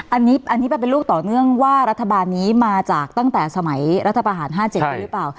อันนี้มันเป็นลูกต่อเนื่องว่ารัฐบาลนี้มาจากตั้งแต่สมัยรัฐประหาร๕๗ด้วยหรือเปล่า